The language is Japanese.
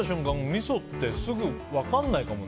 みそってすぐ分からないかも。